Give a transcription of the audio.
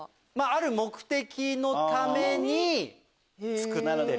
ある目的のために造ってる。